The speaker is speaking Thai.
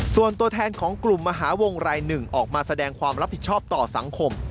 ส่วนตัวแทนของกลุ่มมหาวงรายหนึ่งออกมาแสดงความรับผิดชอบต่อสังคม